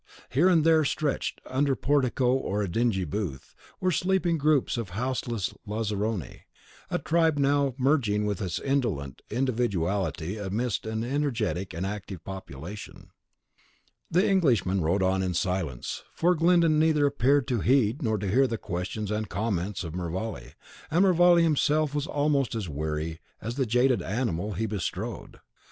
Here and there, stretched under a portico or a dingy booth, were sleeping groups of houseless Lazzaroni, a tribe now merging its indolent individuality amidst an energetic and active population. The Englishman rode on in silence; for Glyndon neither appeared to heed nor hear the questions and comments of Mervale, and Mervale himself was almost as weary as the jaded animal he bestrode.